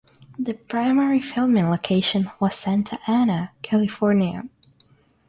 The primary filming location was Santa Ana, California.